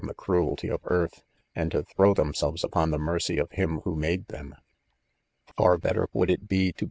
the cruelty of earth, and to throw themselves upoj. the mer cry of Him' who made them; far better would it be to.